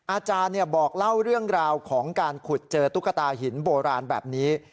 อาจารย์บอกเล่าเรื่องราวของการขุดเจอตุ๊กตาหินโบราณแบบนี้